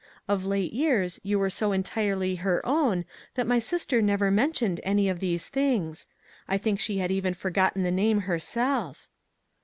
Of late years you were so entirely her own that my sister never mentioned any of these things. I think she had even forgotten the name her self."